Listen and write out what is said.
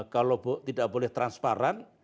kalau tidak boleh transparan